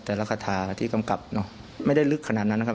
แต่ละคาถาที่กำกับเนอะไม่ได้ลึกขนาดนั้นนะครับ